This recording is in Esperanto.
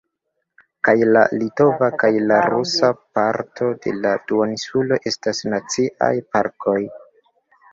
Kaj la litova kaj la rusa parto de la duoninsulo estas Naciaj Parkoj.